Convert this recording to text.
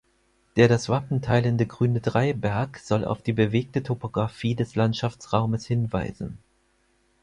Der das Wappen teilende grüne Dreiberg soll auf die bewegte Topographie des Landschaftsraumes hinweisen.